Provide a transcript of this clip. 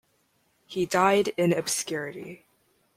He died in obscurity.